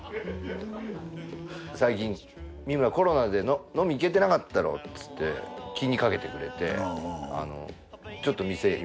最近三村コロナで飲みいけてなかっただろつって気にかけてくれてちょっと店